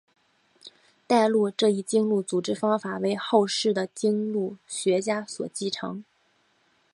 代录这一经录组织方法为后世的经录学家所继承。